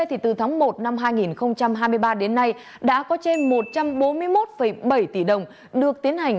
từ tháng một năm hai nghìn hai mươi ba đến nay đã có trên một trăm bốn mươi một bảy tỷ đồng được tiến hành